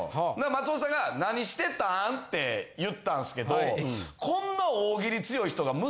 松本さんが。って言ったんすけどこんな大喜利強い人が。